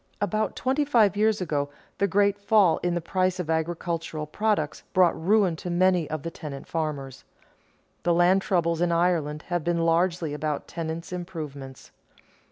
About twenty five years ago, the great fall in the price of agricultural products brought ruin to many of the tenant farmers. The land troubles in Ireland have been largely about tenants' improvements.